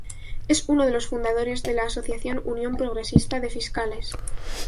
Es uno de los fundadores de la asociación Unión Progresista de Fiscales.